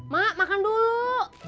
mak makan dulu